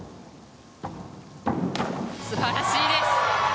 素晴らしいです！